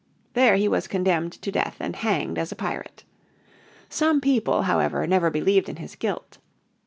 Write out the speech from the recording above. There he was condemned to death and hanged as a pirate in 1701. Some people, however, never believed in his guilt.